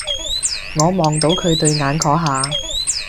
我望到佢對眼嗰下